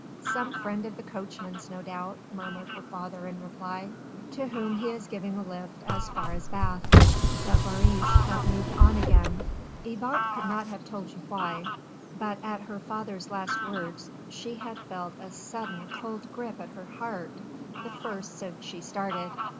"Some friend of the coachman's, no doubt," murmured her father in reply, "to whom he is giving a lift as far as Bath." The barouche had moved on again. Yvonne could not have told you why, but at her father's last words she had felt a sudden cold grip at her heart the first since she started.